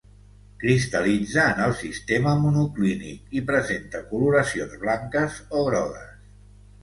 Cristal·litza en el sistema monoclínic i presenta coloracions blanques o grogues.